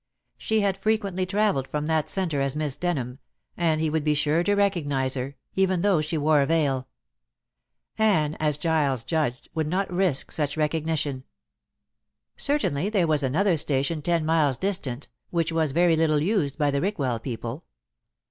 She had frequently travelled from that centre as Miss Denham, and he would be sure to recognize her, even though she wore a veil. Anne, as Giles judged, would not risk such recognition. Certainly there was another station ten miles distant, which was very little used by the Rickwell people.